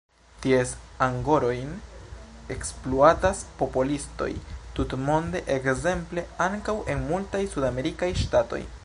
Ties angorojn ekspluatas popolistoj tutmonde, ekzemple ankaŭ en multaj sudamerikaj ŝtatoj.